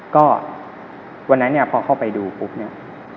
ก็วันนั้นเนี่ยพอเข้าไปดูปุ๊บเนี่ย